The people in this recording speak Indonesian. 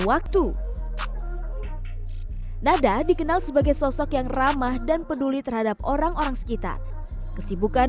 waktu nada dikenal sebagai sosok yang ramah dan peduli terhadap orang orang sekitar kesibukan